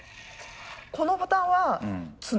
このボタンは角。